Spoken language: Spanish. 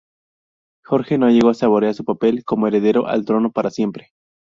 Jorge no llegó a saborear su papel como heredero al trono para siempre.